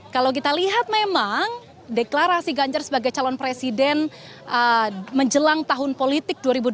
kalau kita lihat memang deklarasi ganjar sebagai calon presiden menjelang tahun politik dua ribu dua puluh